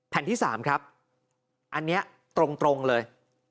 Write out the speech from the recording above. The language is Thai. ที่๓ครับอันนี้ตรงเลย